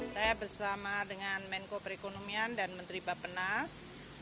saya bersama dengan menko perekonomian dan menteri bapenas